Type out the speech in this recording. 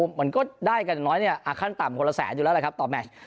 มันก็ได้กันอย่างน้อยเนี่ยขั้นต่ำคนละแสนอยู่แล้วแหละครับต่อแมช